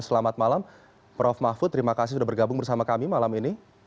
selamat malam prof mahfud terima kasih sudah bergabung bersama kami malam ini